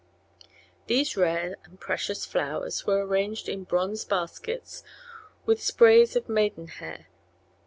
These rare and precious flowers were arranged in bronze baskets with sprays of maidenhair.